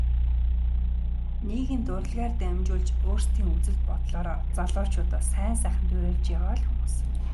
Нийгэмд урлагаар дамжуулж өөрсдийн үзэл бодлоороо залуучуудаа сайн сайханд уриалж яваа л хүмүүс.